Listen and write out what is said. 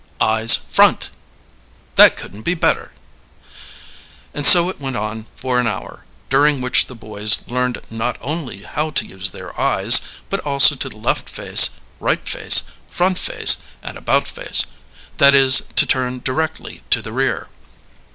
Eyes front! That couldn't be better." And so it went on for an hour, during which the boys learned not alone how to use their eyes, but also to "left face," "right face," "front face," and "about face" that is, to turn directly to the rear.